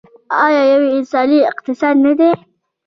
آیا یو انساني اقتصاد نه دی؟